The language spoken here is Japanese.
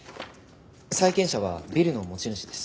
債権者はビルの持ち主です。